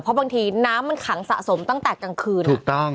เพราะบางทีน้ำมันขังสะสมตั้งแต่กลางคืนถูกต้อง